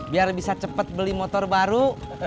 biar bisa cepat beli motor baru